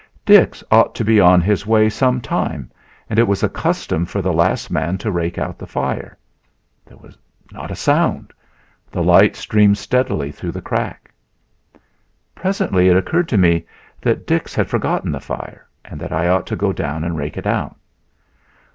Dix ought to be on his way some time and it was a custom for the last man to rake out the fire. There was not a sound. The light streamed steadily through the crack. Presently it occurred to me that Dix had forgotten the fire and that I ought to go down and rake it out.